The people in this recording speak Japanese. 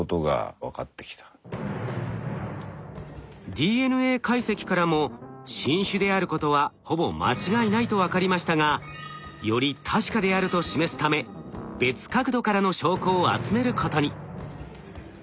ＤＮＡ解析からも新種であることはほぼ間違いないと分かりましたがより確かであると示すため別角度からの証拠を集めることに。